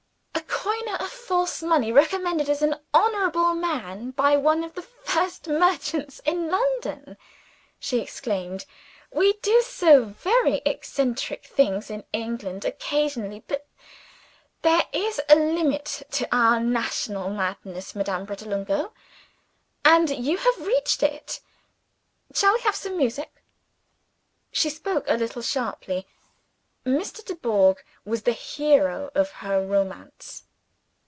"A coiner of false money, recommended as an honorable man by one of the first merchants in London!" she exclaimed. "We do some very eccentric things in England, occasionally but there is a limit to our national madness, Madame Pratolungo, and you have reached it. Shall we have some music?" She spoke a little sharply. Mr. Dubourg was the hero of her romance.